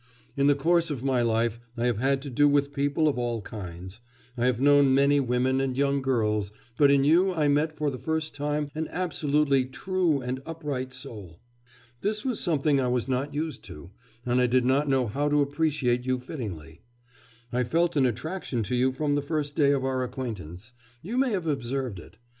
In the course of my life I have had to do with people of all kinds. I have known many women and young girls, but in you I met for the first time an absolutely true and upright soul. This was something I was not used to, and I did not know how to appreciate you fittingly. I felt an attraction to you from the first day of our acquaintance; you may have observed it.